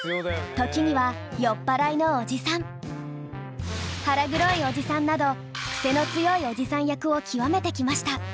時には「酔っぱらいのおじさん」「腹黒いおじさん」などクセの強いおじさん役を極めてきました。